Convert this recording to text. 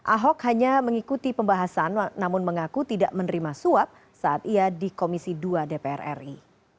ahok hanya mengikuti pembahasan namun mengaku tidak menerima suap saat ia di komisi dua dpr ri